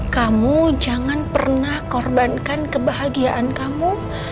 kamu jangan pernah korbankan kebahagiaan kamu